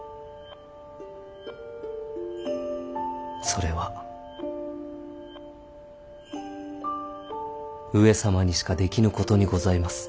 それは上様にしかできぬことにございます。